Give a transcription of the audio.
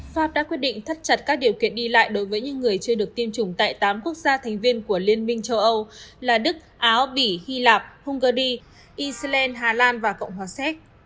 pháp đã quyết định thắt chặt các điều kiện đi lại đối với những người chưa được tiêm chủng tại tám quốc gia thành viên của liên minh châu âu là đức áo bỉ hy lạp hungary eceland hà lan và cộng hòa séc